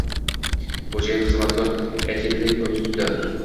Xoʻjayin xizmatkor aytganiday yoʻl tutibdi